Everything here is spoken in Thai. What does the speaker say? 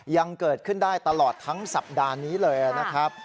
ยังเกิดขึ้นได้ตลอดทั้งสัปดาห์นี้เลยนะครับ